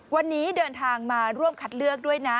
วันนี้เดินทางมาร่วมคัดเลือกด้วยนะ